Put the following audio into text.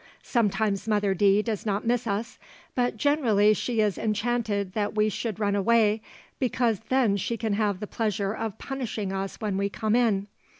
Sometimes Mother D. does not miss us, but generally she is enchanted that we should run away, because then she can have the pleasure of punishing us when we come in.